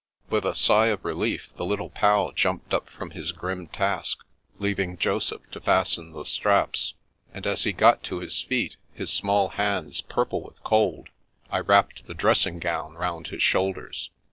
With a sigh of relief the Little Pal jumped up from his grim task, leaving Joseph to fasten the straps; and as he got to his feet, his small hands purple with cold, I wrapped the dressing gown round his shoulders.